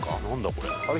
これ。